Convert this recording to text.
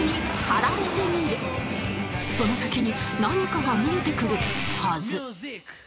その先に何かが見えてくるはず